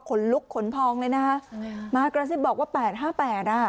ลุกขนพองเลยนะคะมากระซิบบอกว่าแปดห้าแปดอ่ะ